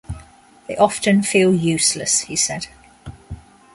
"They often feel useless," he said.